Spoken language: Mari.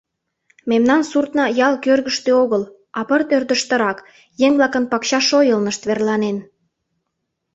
Мемнан суртна ял кӧргыштӧ огыл, а пырт ӧрдыжтырак, еҥ-влакын пакча шойылнышт, верланен.